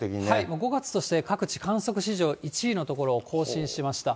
もう５月として各地観測史上１位の所、更新しました。